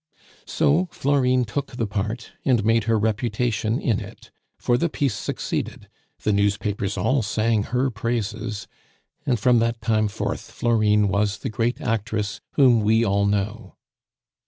So Florine took the part, and made her reputation in it; for the piece succeeded, the newspapers all sang her praises, and from that time forth Florine was the great actress whom we all know.